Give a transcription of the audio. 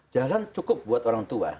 jalan cukup buat orang tua